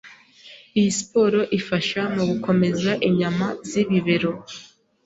Iyi siporo ifasha mu gukomeza inyama z’ibibero